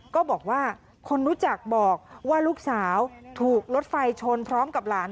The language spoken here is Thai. ก็บอกว่าคนรู้จักบอกว่าลูกสาวถูกรถไฟชนพร้อมกับหลาน